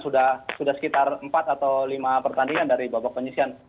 sudah sekitar empat atau lima pertandingan